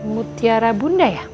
mutiara bunda ya